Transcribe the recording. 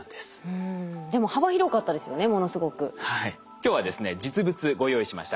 今日はですね実物ご用意しました。